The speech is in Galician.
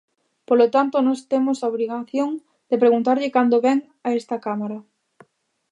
Polo tanto, nós temos a obrigación de preguntarlle cando vén a esta Cámara.